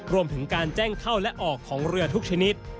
รวมถึงการแจ้งเข้าและออกของเรือทุกชนิด